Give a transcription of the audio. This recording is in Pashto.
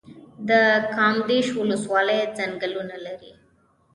د کامدیش ولسوالۍ ځنګلونه لري